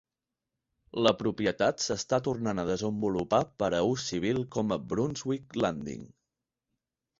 La propietat s'està tornant a desenvolupar per a ús civil com a Brunswick Landing.